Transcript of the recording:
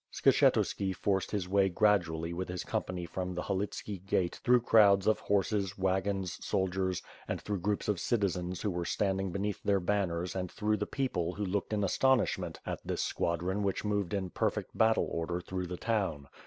Skshetuski forced his way gradually with his company from the Halitski gate through crowds of horses, wagons, soldiers, and through groups of citizens who were standing beneath their banners and through the people who looked in astonish ment at this squadron which moved in perfect battle order through the town.